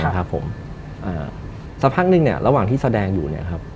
สักพักนึงเนี่ยระหว่างที่แสดงอยู่